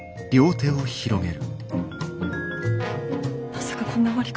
まさかこんな終わり方。